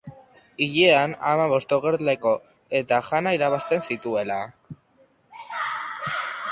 Hilean hamabost ogerleko eta jana irabazten zituela.